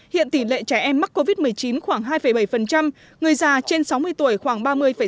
hiện tỷ lệ trẻ em mắc covid một mươi chín khoảng hai bảy người già trên sáu mươi tuổi khoảng ba mươi sáu